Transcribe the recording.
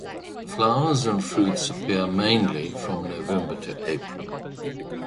The flowers and fruits appear mainly from November to April.